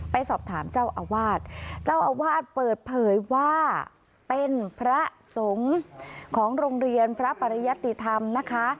ไปสอบถามเจ้าอาวาสเจ้าอาวาสเปิดเผยว่าเป็นพระสงฆ์ของโรงเรียนพระปริยติธรรมนะคะ